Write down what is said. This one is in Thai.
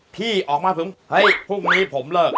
พี่ออกมาผมเฮ้ยพรุ่งนี้ผมเลิก